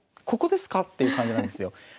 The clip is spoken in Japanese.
ここですか？っていう感じなんですよ。